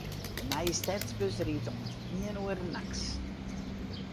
De nije stedsbus rydt oant iene oere nachts.